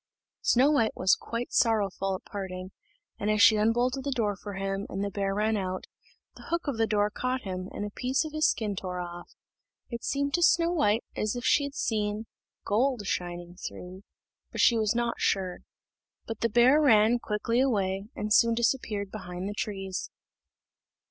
Snow white was quite sorrowful at parting, and as she unbolted the door for him, and the bear ran out, the hook of the door caught him, and a piece of his skin tore off; it seemed to Snow white as if she had seen gold shining through, but she was not sure. But the bear ran quickly away, and soon disappeared behind the trees.